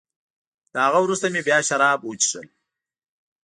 له هغه وروسته مې بیا شراب وڅېښل.